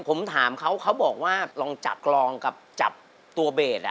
ผมถามเขาเขาบอกว่าลองจับลองกับจับตัวเบส